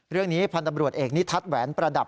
พันธุ์ตำรวจเอกนิทัศน์แหวนประดับ